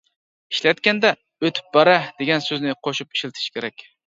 ئىشلەتكەندە «ئۆتۈپ بارە» دېگەن سۆزنى قوشۇپ ئىشلىتىش كېرەك.